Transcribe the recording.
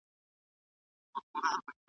سرمایه داري د غریبو دښمن دی.